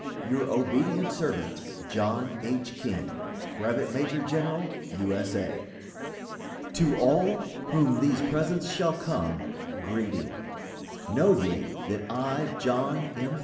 Your obedient servant, JNO. H. KING, Brevet Major General U. S. A. STATE OF NEBRASKA. To all whom these presents shall come, greeting: Know ye, that I, John M.